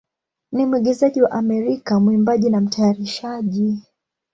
ni mwigizaji wa Amerika, mwimbaji, na mtayarishaji.